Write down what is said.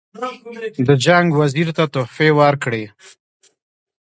د جنګ وزیر ته تحفې ورکړي.